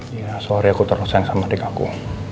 ya sorry aku terlalu sayang sama adik aku